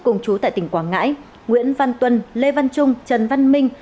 cùng chú tại tỉnh quảng ngãi nguyễn văn tuân lê văn trung trần văn minh